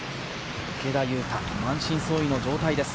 池田勇太、満身創痍の状態です。